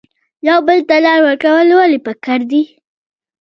یو بل ته لار ورکول ولې پکار دي؟